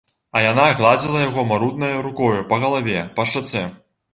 А яна гладзіла яго маруднаю рукою па галаве, па шчацэ.